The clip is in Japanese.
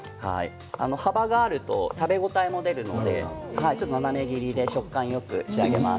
幅があると食べ応えも出るのでちょっと斜め切りで食感よく仕上げます。